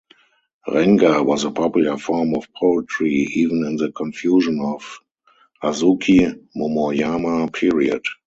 "Renga" was a popular form of poetry even in the confusion of Azuchi-Momoyama period.